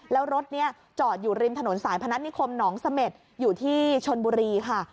แล้วรถนี้จอดอยู่ริมถนนสายพนัฐนิคมหนองเสม็ดอยู่ที่ชนบุรีค่ะ